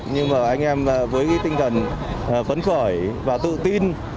nhưng mà anh em với tinh thần phấn khởi và tự tin